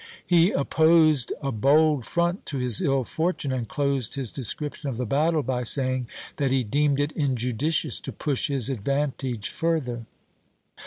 i He opposed a bold front to his ill fortune, and closed Ms description of the battle by saying that he deemed it injudicious to push his advantage further.